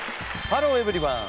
ハローエブリワン！